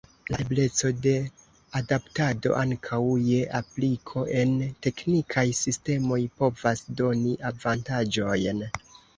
La ebleco de adaptado ankaŭ je apliko en teknikaj sistemoj povas doni avantaĝojn.